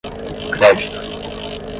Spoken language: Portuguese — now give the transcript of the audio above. crédito